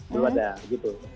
belum ada gitu